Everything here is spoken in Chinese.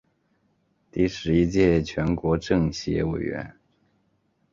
第十一届全国政协委员。